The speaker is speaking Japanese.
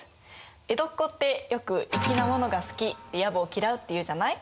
江戸っ子ってよく「粋」なものが好きやぼを嫌うっていうじゃない？